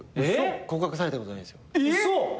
告白されたことないんですよ。えっ！？